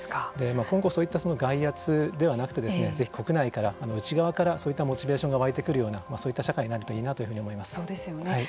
今後そういった外圧ではなくてですね是非国内から内側からそういったモチベーションが湧いてくるようなそういった社会になるといいなというふうに思います。